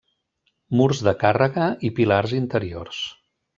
Murs de càrrega i pilars interiors.